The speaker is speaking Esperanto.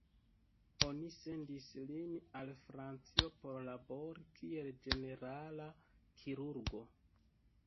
Oni sendis lin al Francio por labori kiel ĝenerala kirurgo.